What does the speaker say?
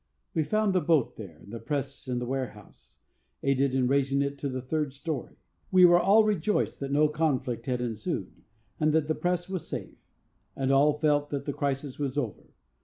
We found the boat there, and the press in the warehouse; aided in raising it to the third story. We were all rejoiced that no conflict had ensued, and that the press was safe; and all felt that the crisis was over.